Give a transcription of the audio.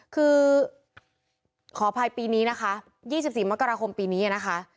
คือขออภัยปีนี้นะคะ๒๔มกราคมปีนี้นะคะ